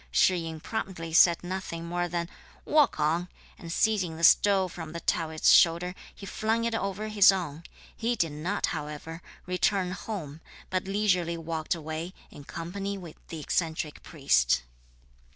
Shih yin promptly said nothing more than, "Walk on;" and seizing the stole from the Taoist's shoulder, he flung it over his own. He did not, however, return home, but leisurely walked away, in company with the eccentric priest.